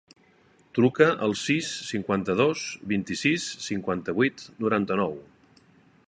Truca al sis, cinquanta-dos, vint-i-sis, cinquanta-vuit, noranta-nou.